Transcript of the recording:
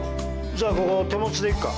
じゃあここ手持ちでいくか。